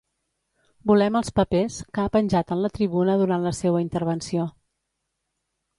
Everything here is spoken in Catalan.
Volem els papers, que ha penjat en la tribuna durant la seua intervenció.